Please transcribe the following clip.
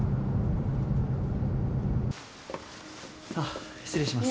あっ失礼します。